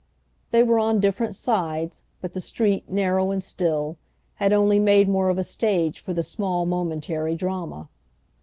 They were on different sides, but the street, narrow and still, had only made more of a stage for the small momentary drama.